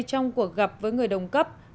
trong cuộc gặp với người đồng cấp